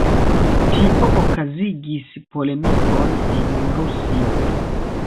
Tio okazigis polemikon en Rusio.